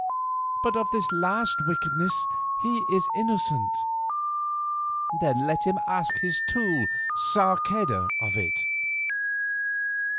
But of this last wickedness he is innocent." "Then let him ask his tool Sarceda of it."